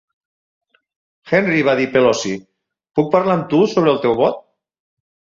'Henry', va dir Pelosi, 'puc parlar amb tu sobre el teu vot?